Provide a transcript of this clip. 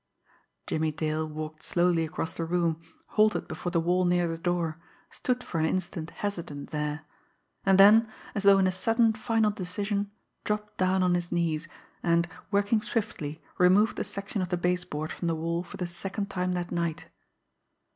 Jimmie Dale walked slowly across the room, halted before the wall near the door, stood for an instant hesitant there and then, as though in a sudden, final decision, dropped down on his knees, and, working swiftly, removed the section of the base board from the wall for the second time that night.